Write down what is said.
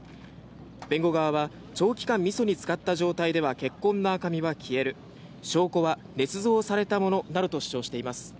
弁護側は長期間みそにつかった状態では血痕の赤みは消える証拠はねつ造されたものなどと主張しています。